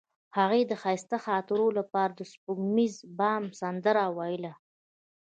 هغې د ښایسته خاطرو لپاره د سپوږمیز بام سندره ویله.